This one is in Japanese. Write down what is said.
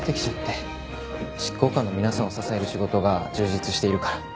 執行官の皆さんを支える仕事が充実しているから。